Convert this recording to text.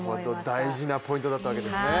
大事なポイントだったわけですね。